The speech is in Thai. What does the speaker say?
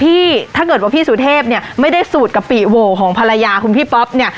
ถ้าเกิดว่าพี่สุเทพเนี่ยไม่ได้สูตรกะปิโหวของภรรยาคุณพี่ป๊อปเนี่ย